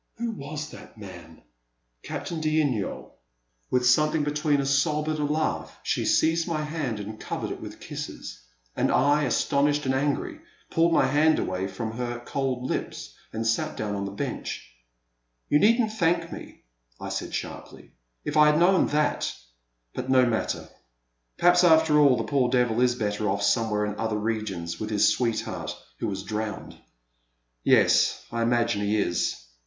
Who was that man?" Captain d'Yniol " 340 A Pleasant Evenitig. With something between a sob and a laugh she seized my hand and covered it with kisses, and I, astonished and angry, pulled my hand away from her cold lips and sat down on the bench. You need n't thank me," I said sharply; if I had known that, — ^but no matter. Perhaps after all the poor devil is better off somewhere in other regions with his sweetheart who was drowned, — yes, I imagine he is.